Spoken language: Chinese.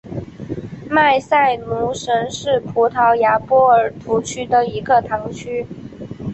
曼塞卢什是葡萄牙波尔图区的一个堂区。